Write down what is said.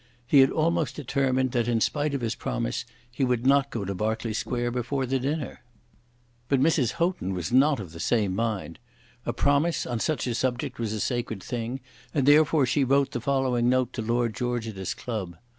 He had almost determined that, in spite of his promise, he would not go to Berkeley Square before the dinner. But Mrs. Houghton was not of the same mind. A promise on such a subject was a sacred thing, and therefore she wrote the following note to Lord George at his club.